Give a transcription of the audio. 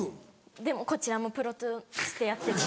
でもこちらもプロとしてやってるんで。